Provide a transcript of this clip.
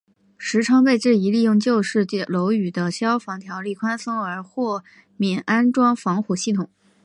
时昌被质疑利用旧式楼宇的消防条例宽松而豁免安装防火系统。